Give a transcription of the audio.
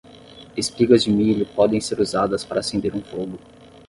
Espigas de milho podem ser usadas para acender um fogo.